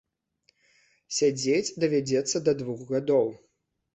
Сядзець давядзецца да двух гадоў.